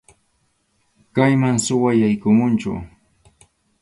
Kayman suwa yaykumunchu.